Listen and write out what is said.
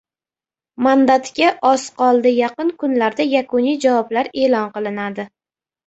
Mandatga oz qoldi, yaqin kunlarda yakuniy javoblar e’lon qilinadi